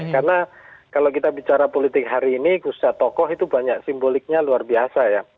karena kalau kita bicara politik hari ini kusya tokoh itu banyak simboliknya luar biasa ya